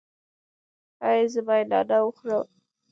ایا زه باید نعناع وخورم؟